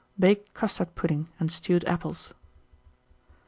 Baked custard pudding and stewed apples.